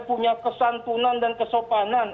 punya kesantunan dan kesopanan